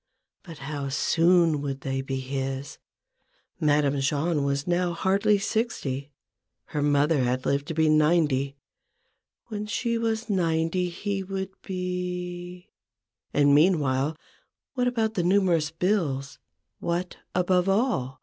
But how soon would they be his ? Madame Jahn was now hardly sixty ; her mother had lived to be ninety ; when she was ninety he would be —. And meanwhile, what about the numerous bills ; what (above all